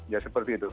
ya seperti itu